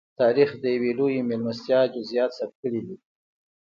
تاریخ د یوې لویې مېلمستیا جزییات ثبت کړي دي.